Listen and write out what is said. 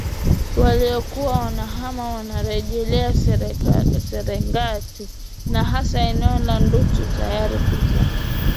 waliokuwa wamehama wamerejea Serengeti na hasa eneo la Ndutu tayari kuzaa